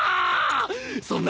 そんな！？